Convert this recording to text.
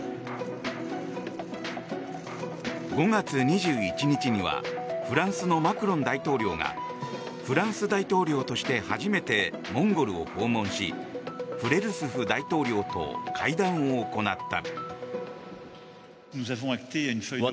５月２１日にはフランスのマクロン大統領がフランス大統領として初めてモンゴルを訪問しフレルスフ大統領と会談を行った。